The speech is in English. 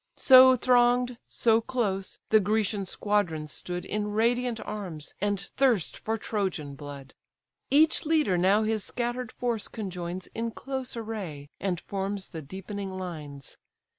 So throng'd, so close, the Grecian squadrons stood In radiant arms, and thirst for Trojan blood. Each leader now his scatter'd force conjoins In close array, and forms the deepening lines.